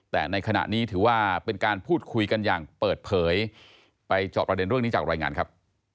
แต่ในขณะนี้ถือว่าเป็นการพูดคุยกันอย่างเปิดเผยไปจอบประเด็นเรื่องนี้จากรายงานครับ